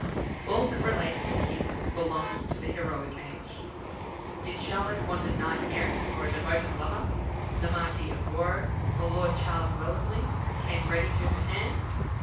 All that related to him belonged to the heroic age. Did Charlotte want a knight errant, or a devoted lover, the Marquis of Douro, or Lord Charles Wellesley, came ready to her hand.